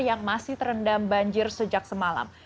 yang masih terendam banjir sejak semalam